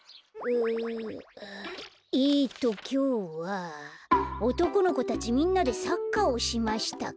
えっときょうは「おとこの子たちみんなでサッカーをしました」か。